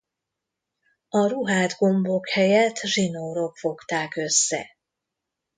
A ruhát gombok helyett zsinórok fogták össze.